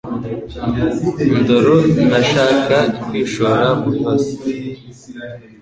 ndoro ntashaka kwishora mubibazo